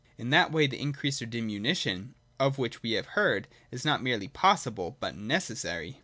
In that way, the increase or dimi nution (of which we have heard) is not merely possible, but necessary.